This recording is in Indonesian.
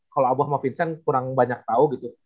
kalo abu sama vincent kurang banyak tau gitu